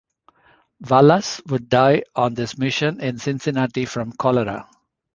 Wallace would die on this mission in Cincinnati from Cholera.